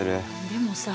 でもさ。